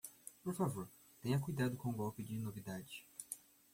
Por favor, tenha cuidado com o golpe de novidade